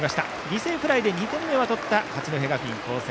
犠牲フライで２点目は取った八戸学院光星。